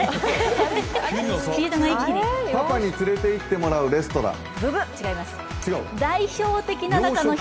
パパに連れて行ってもらうレストラン？